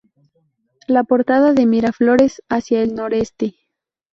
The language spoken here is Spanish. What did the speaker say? La portada de Miraflores hacia el noreste.